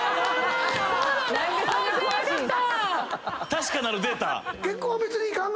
確かなるデータ。